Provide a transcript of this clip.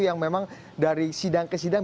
yang memang dari sidang ke sidang